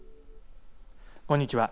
こんにちは。